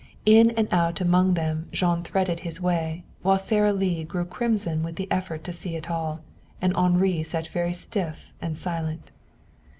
In and out among them Jean threaded his way, while Sara Lee grew crimson with the effort to see it all, and Henri sat very stiff and silent.